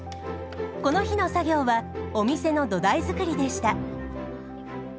この日の作業はお店の土台作りでした。